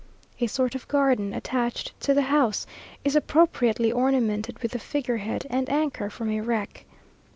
A sort of garden, attached to the house, is appropriately ornamented with the figure head and anchor from a wreck.